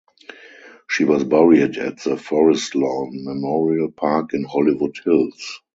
She was buried at the Forest Lawn Memorial Park in Hollywood Hills.